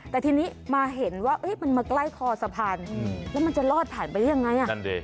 แต่ทีนี้มาเห็นว่ามันมาใกล้คอสะพานแล้วมันจะลอดผ่านไปได้ยังไง